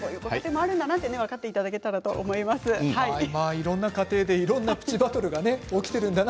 いろんな家庭でいろんなプチバトル起きているんだな。